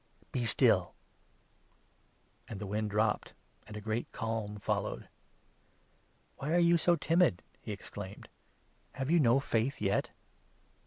Be still !" Then the wind dropped, and a great calm followed. "Why are you so timid?" he exclaimed. "Have you 40 no faith yet